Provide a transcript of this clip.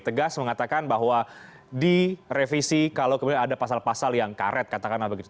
tegas mengatakan bahwa direvisi kalau kemudian ada pasal pasal yang karet katakanlah begitu